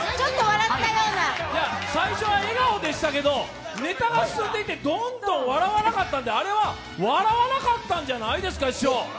最初は笑顔でしたけど、ネタが進んでいってどんどん笑わなかったんで、あれは笑わなかったんじゃないですか？